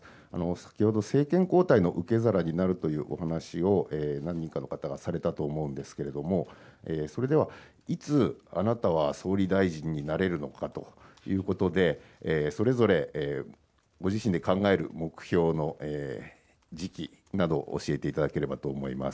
先ほど、政権交代の受け皿になるというお話を何人かの方がされたと思うんですけれども、それではいつ、あなたは総理大臣になれるのかということで、それぞれご自身で考える目標の時期などを教えていただければと思います。